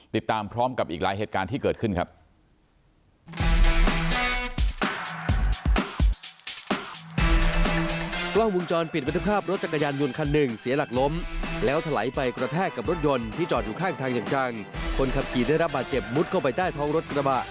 ติดตามพร้อมกับอีกหลายเหตุการณ์ที่เกิดขึ้นครับ